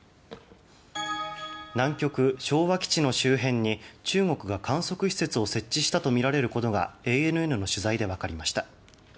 南極・昭和基地の周辺に中国が観測施設を設置したとみられることがＡＮＮの取材で分かりました。